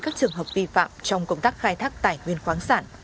các trường hợp vi phạm trong công tác khai thác tài nguyên khoáng sản